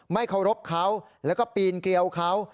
ไม่เคารพเขาแล้วก็ปีนเกลียวเขา